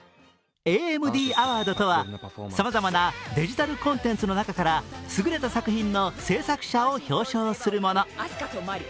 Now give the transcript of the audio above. ＡＭＤアワードとは、さまざまなデジタルコンテンツの中から優れた作品の制作者を表彰するもの。